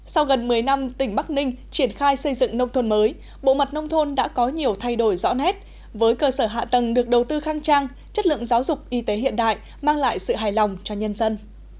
sau gần một mươi năm tỉnh bắc ninh triển khai xây dựng nông thôn mới bộ mặt nông thôn đã có nhiều thay đổi rõ nét với cơ sở hạ tầng được đầu tư khang trang chất lượng giáo dục y tế hiện đại mang lại sự hài lòng cho nhân dân